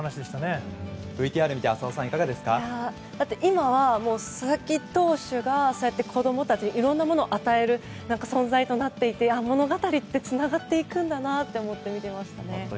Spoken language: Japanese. ＶＴＲを見て今は佐々木投手が子供たちにいろんなものを与える存在となっていて物語ってつながっていくんだなと思って見ていました。